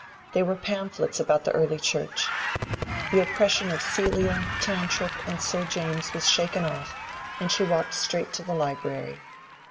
They were pamphlets about the early Church. The oppression of Celia, Tantripp, and Sir James was shaken off, and she walked straight to the library.